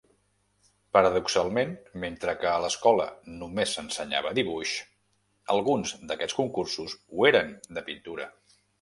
Paradoxalment, mentre que a l'Escola només s'ensenyava dibuix, alguns d'aquests concursos ho eren de pintura.